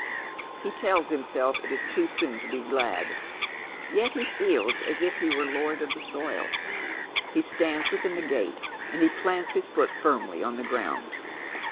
lie tells himself it is too soon to be glad, yet he feels as i£ he wore lord of the soil. He stands within the gate, and he plants his foot firmly on the gi'ound.